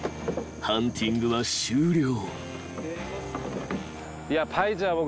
［ハンティングは終了］